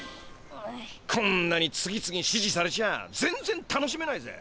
こんなに次々しじされちゃぜんぜん楽しめないぜ。